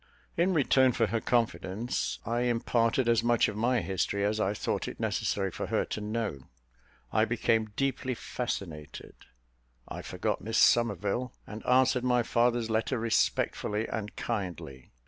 In return for her confidence, I imparted as much of my history as I thought it necessary for her to know. I became deeply fascinated I forgot Miss Somerville, and answered my father's letter respectfully and kindly.